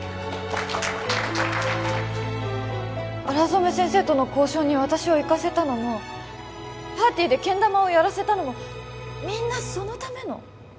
荒染先生との交渉に私を行かせたのもパーティーでけん玉をやらせたのもみんなそのための！？